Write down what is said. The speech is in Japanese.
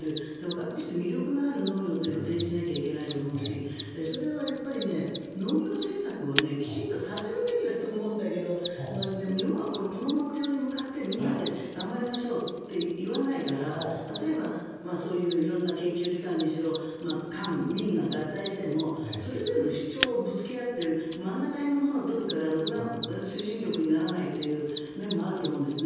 若い人に魅力がある農業を提示しなきゃいけないと思うしそれは農業政策を、きちんと立てるべきだと思うんだけど日本はこの目標に向かってみんなで頑張りましょうって言わないから例えばそういう色んな研究機関にしろ官民が合体してもそれぞれの主張をぶつけ合って真ん中ら辺のものを取るからろくな推進力にならない面もあると思うんです。